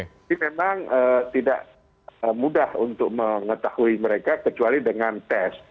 tapi memang tidak mudah untuk mengetahui mereka kecuali dengan tes